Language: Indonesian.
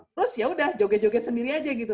terus ya udah joget joget sendiri aja gitu